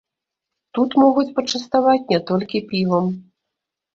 Тут могуць пачаставаць не толькі півам.